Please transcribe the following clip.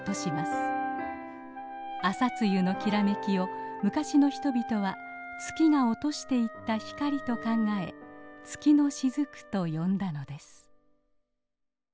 朝露のきらめきを昔の人々は月が落としていった光と考え「月の雫」と呼んだのです。